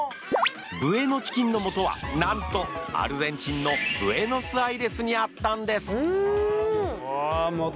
ブエノチキンのモトはなんとアルゼンチンのブエノスアイレスにあったんです。